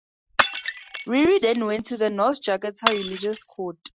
Ririe then went to the North Jakarta Religious Court.